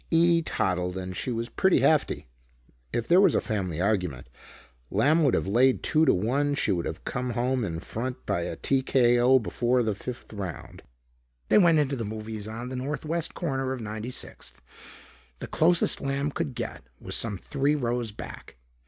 Ede toddled and she was pretty hefty. If there was a family argument, Lamb would have laid two to one she would have come home in front by a t.k.o. before the fifth round. They went into the movies on the north west corner of 96th. The closest Lamb could get was some three rows back.